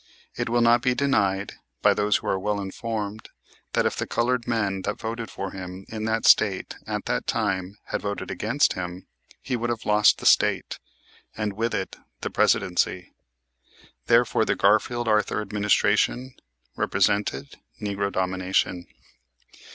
It will not be denied by those who are well informed that if the colored men that voted for him in that State at that time had voted against him, he would have lost the State and, with it, the Presidency. Therefore, the Garfield Arthur administration represented "Negro Domination."